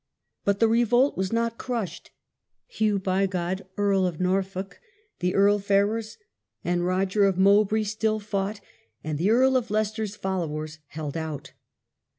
But the revolt was not crushed. Hugh Bigot, Earl of Norfolk, the Earl Ferrers, and Roger of Mowbray still fought, and the Earl of Leicester's fol lowers held out.